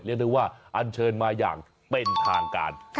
ได้ว่าอันเชิญมาอย่างเป็นทางการ